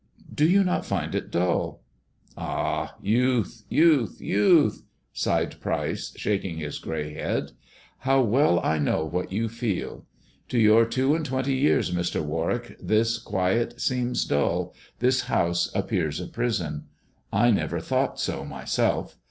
" Do you not find it dull 1 "" Ah, youth ! youth ! youth !" sighed Pryce, shaking his THE dwarf's CHAMBEil SS grey head, " how well I know what you feel. To your two and twenty years, Mr. Warwick, this quiet seems dull, this house appears a prison. I never thought so myself.